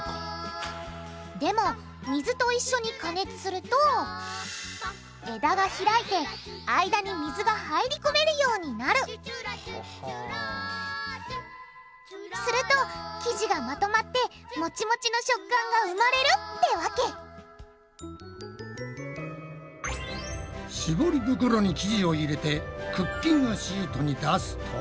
でも水と一緒に加熱すると枝が開いて間に水が入り込めるようになるすると生地がまとまってモチモチの食感が生まれるってわけ絞り袋に生地を入れてクッキングシートに出すと。